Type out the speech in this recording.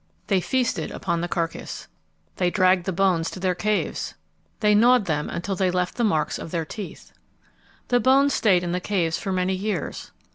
They feasted upon the carcass. They dragged the bones to their caves. They gnawed them until they left the marks of their teeth. The bones stayed in the caves for many years.